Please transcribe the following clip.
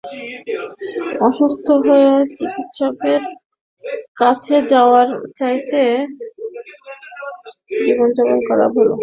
অসুস্থ হয়ে চিকিৎসকের কাছে যাওয়ার চাইতে তার আগেই সুস্থ জীবনযাপন করা ভাল।